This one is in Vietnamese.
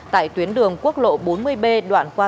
tại tuyến đường quốc lộ bốn mươi b đoạn qua